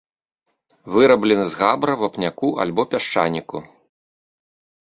Выраблены з габра, вапняку альбо пясчаніку.